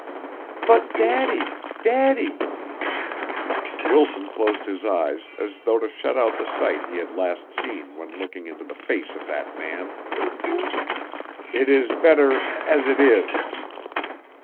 "But Daddy Daddy " Wilson closed his eyes as though to shut out the sight he had last seen when looking into the face of that man. "It is better as it is."